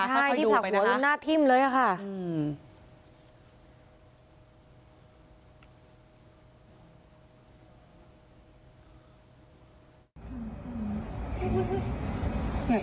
ใช่ที่ผลักหัวด้วยหน้าทิ้มเลยค่ะอืม